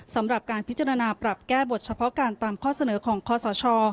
สำหรับการพิจารณาปรับแก้บทเฉพาะการตามข้อเสนอของคอสช